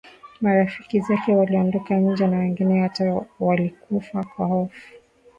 Marafiki zake waliondoka nje na wengine hata walikufa kwa hofu